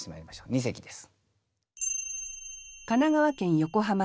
二席です。